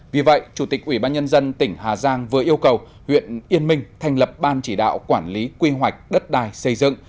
vì vậy chủ tịch ubnd tỉnh hà giang vừa yêu cầu huyện yên minh thành lập ban chỉ đạo quản lý quy hoạch đất đài xây dựng